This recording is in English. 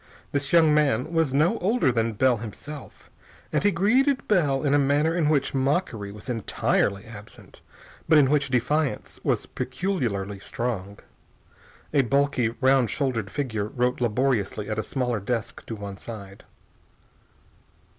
This young man was no older than Bell himself, and he greeted Bell in a manner in which mockery was entirely absent, but in which defiance was peculiarly strong. A bulky, round shouldered figure wrote laboriously at a smaller desk to one side.